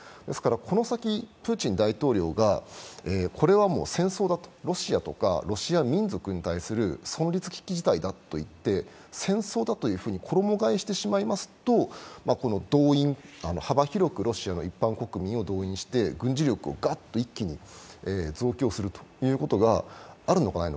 この先、プーチン大統領がこれはもう戦争だと、ロシアとかロシア民族に対する存立危機事態だといって戦争だというふうに衣がえしてしまいますと、幅広くロシアの一般国民を動員して軍事力をガッと一気に増強することがあるかもしれない。